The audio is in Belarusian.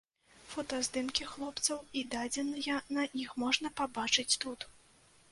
Фотаздымкі хлопцаў і дадзеныя на іх можна пабачыць тут.